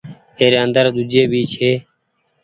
ايري اندر ۮوجھي ڀي ڇي۔